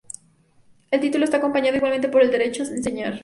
El título está acompañado igualmente por "el derecho a enseñar".